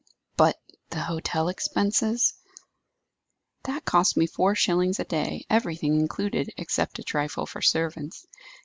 "But the hotel expenses?" "That cost me four shillings a day, everything included, except a trifle for servants.